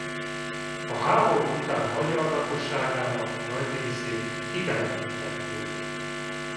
A háború után magyar lakosságának nagy részét kitelepítették.